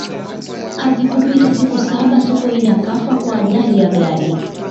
hazikupita siku saba sokoine akafa kwa ajali ya gari